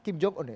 kim jong un ya